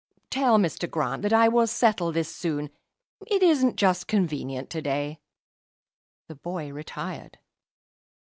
"Tell Mr. Grant that I will settle this soon. It isn't just convenient to day." The boy retired.